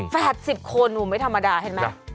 แฝด๑๐โครงหมูไม่ธรรมดาเห็นมั้ย